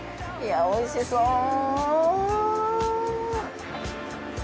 いや美味しそう。